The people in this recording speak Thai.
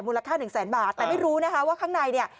ค่าหนึ่งแสนบาทแต่ไม่รู้นะคะว่าข้างในเนี่ย